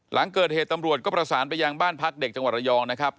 หลังเกิดเหตุตำรวจก็ประสานไปยังบ้านพักเด็กจังหวัดระยองนะครับ